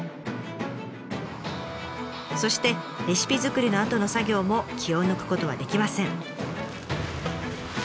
そしてレシピづくりのあとの作業も気を抜くことはできません。